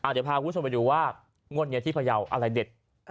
เดี๋ยวพาคุณผู้ชมไปดูว่างวดนี้ที่พยาวอะไรเด็ด